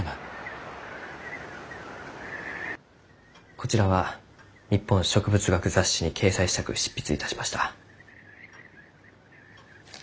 こちらは「日本植物学雑誌」に掲載したく執筆いたしました。